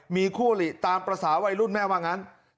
มีคู่อลิตามประสาวัยรุ่นแม่บางอย่างนั้น